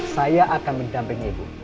saya akan mencampingi bu